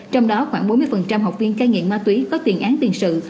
trong đó khoảng bốn mươi học viên cai nghiện ma túy có tiền án tiền sự